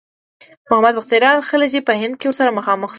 محمد بختیار خلجي په هند کې ورسره مخامخ کیږو.